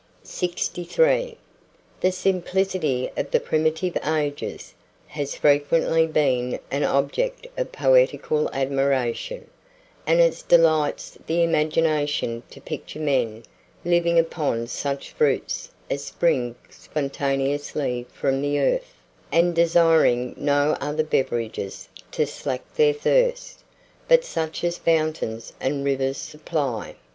63. THE SIMPLICITY OF THE PRIMITIVE AGES has frequently been an object of poetical admiration, and it delights the imagination to picture men living upon such fruits as spring spontaneously from the earth, and desiring no other beverages to slake their thirst, but such as fountains and rivers supply.